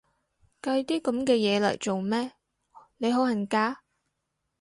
計啲噉嘅嘢嚟做咩？，你好恨嫁？